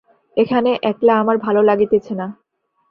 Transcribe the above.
এখানে একলা আমার ভালো লাগিতেছে না।